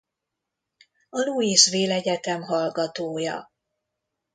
A Louisville Egyetem hallgatója.